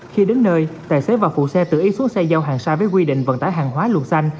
khi đến nơi tài xế và phụ xe tự ý xuống xe giao hàng xa với quy định vận tải hàng hóa luật xanh